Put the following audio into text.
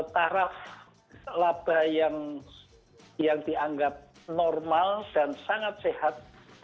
taraf laba yang dianggap normal dan sangat sehat